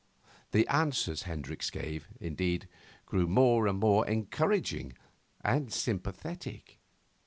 The answers Hendricks gave, indeed, grew more and more encouraging and sympathetic.